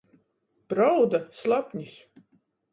Prauda — slapnis.